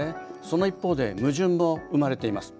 その一方で矛盾も生まれています。